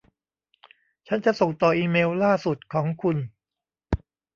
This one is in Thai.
ฉันจะส่งต่ออีเมลล่าสุดของคุณ